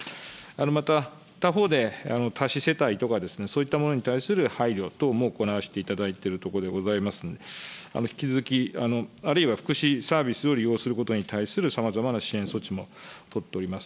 また、他方で多子世帯とかですね、そういったものに対する配慮等も行わせていただいているところでございますので、引き続き、あるいは福祉サービスを利用することに対するさまざまな支援措置も取っております。